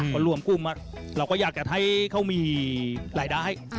ก็รวมกุ้มเราก็อยากให้กลายได้